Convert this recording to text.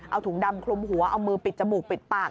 เอาถุงดำคลุมหัวเอามือปิดจมูกปิดปาก